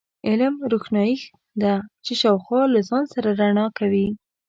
علم، روښنایي ده چې شاوخوا له ځان سره رڼا کوي.